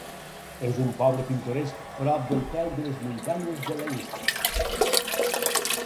És un poble pintoresc prop del peu de les Muntanyes de Leinster.